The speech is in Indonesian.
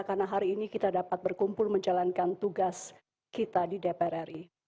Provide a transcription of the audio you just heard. karena hari ini kita dapat berkumpul menjalankan tugas kita di dpr ri